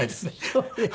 そうですか。